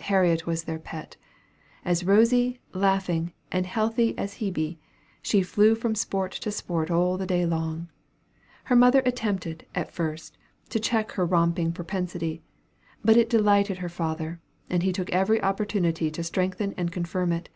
Harriet was their pet. As rosy, laughing, and healthy as a Hebe, she flew from sport to sport all the day long. Her mother attempted, at first, to check her romping propensity; but it delighted her father, and he took every opportunity to strengthen and confirm it.